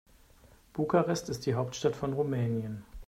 Bukarest ist die Hauptstadt von Rumänien.